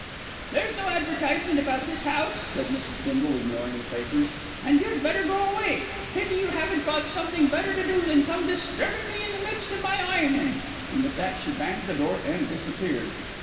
"There's no advertisement about this house," said Mrs. Bindle, ignoring the papers, "and you'd better go away. Pity you haven't got something better to do than to come disturbin' me in the midst of my ironin'," and with that she banged the door and disappeared.